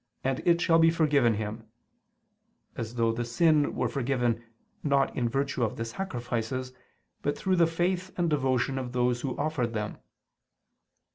. and it shall be forgiven him," as though the sin were forgiven, not in virtue of the sacrifices, but through the faith and devotion of those who offered them.